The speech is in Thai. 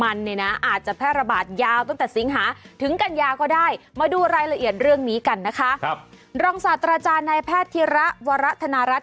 รองศาสตร์อาจารย์ในแพทยศาสตร์ทีระวรัฐนารัฐ